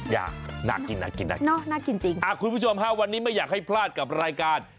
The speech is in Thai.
อย่าน่ากินนะน่ากินจริงนะคุณผู้ชมค่ะวันนี้ไม่อยากให้พลาดกับรายการ